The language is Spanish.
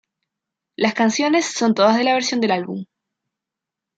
Las canciones son todas de la versión del álbum.